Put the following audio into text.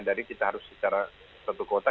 jadi kita harus secara satu kota